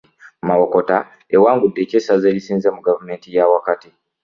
Mawokota ewangudde eky'essaza erisinze mu gavumenti eya wakati